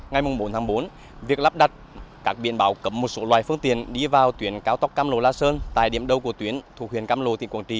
ghi nhận của phóng viên truyền hình nhân dân tại điểm đầu tuyến cao tốc thuộc huyện cam lộ tỉnh quảng trị